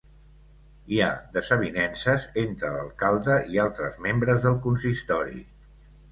Hi ha desavinences entre l'alcalde i altres membres del consistori.